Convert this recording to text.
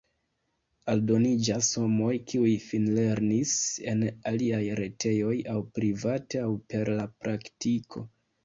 Aldoniĝas homoj, kiuj finlernis en aliaj retejoj aŭ private aŭ per la praktiko.